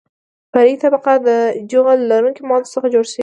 فرعي طبقه د جغل لرونکو موادو څخه جوړیږي